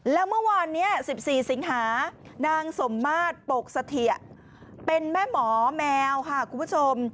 แล้วเมื่อวานนี้๑๔สิงหานางสมมาตรปกเสถียเป็นแม่หมอแมวค่ะคุณผู้ชม